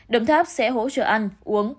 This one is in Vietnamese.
đồng tháp sẽ hỗ trợ ăn uống